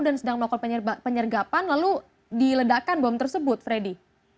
dan sedang melakukan penyergapan lalu diledakan bom tersebut freddy